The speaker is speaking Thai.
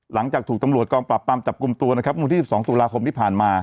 หลังจากถูกตำรวจกองปราบปรามจับกลุ่มตัวนะครับเมื่อที่๑๒ตุลาคมที่ผ่านมา